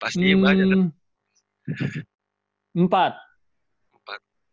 pasti emang aja kan